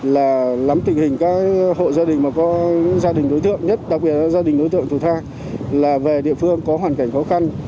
là nắm tình hình các hộ gia đình mà có gia đình đối tượng nhất đặc biệt là gia đình đối tượng chủ tha là về địa phương có hoàn cảnh khó khăn